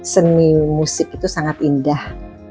seni musik itu sangat indah